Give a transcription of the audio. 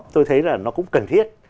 tôi thấy là nó cũng cần thiết